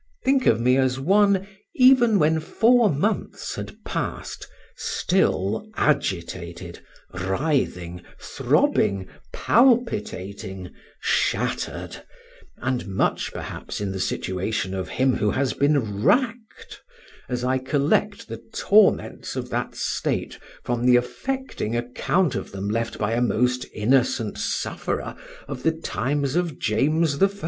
Think of me as one, even when four months had passed, still agitated, writhing, throbbing, palpitating, shattered, and much perhaps in the situation of him who has been racked, as I collect the torments of that state from the affecting account of them left by a most innocent sufferer of the times of James I.